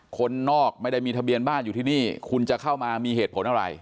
คนนอกไม่ได้มีทะเบียนบ้านอยู่ที่นี่คุณจะเข้ามามีเหตุผลอะไร